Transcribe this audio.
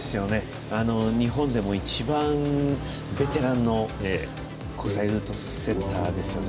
日本でも、一番ベテランの国際ルートセッターですよね。